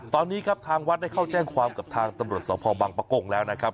ตอนนี้ครับทางวัดได้เข้าแจ้งความกับทางตำรวจสพบังปะกงแล้วนะครับ